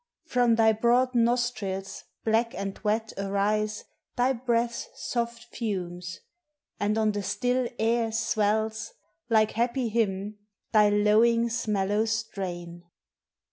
From thy broad nostrils, black ami wet, arise Thy breath's soft fumes; and on the still air swells, Like happy hymn, thy lowing's mellow strain.